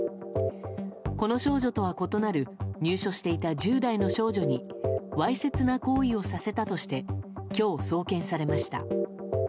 この少女とは異なる、入所していた１０代の少女に、わいせつな行為をさせたとして、きょう、送検されました。